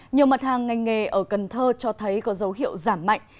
nhiều mặt hàng ngành nghề ở cần thơ cho thấy có dấu hiệu giảm mạnh